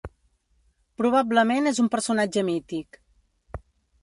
Probablement és un personatge mític.